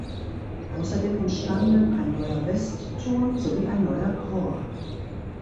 Außerdem entstanden ein neuer Westturm sowie ein neuer Chor.